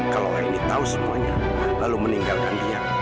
kalau aini tau semuanya lalu meninggal dengan dia